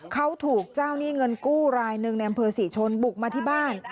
เขาถูกเจ้าหนี้เงินกู้รายหนึ่งในอำเภอศรีชนบุกมาที่บ้าน